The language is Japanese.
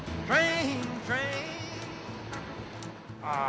はい。